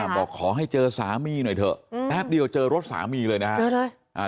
บอกขอให้เจอสามีหน่อยเถอะแป๊บเดียวเจอรถสามีเลยนะฮะ